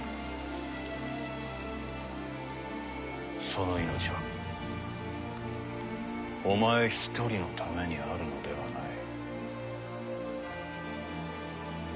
その命はお前一人のためにあるのではない。